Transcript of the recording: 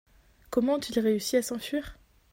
Comment ont-ils réussi à s'enfuir ?